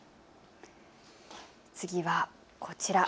次はこちら。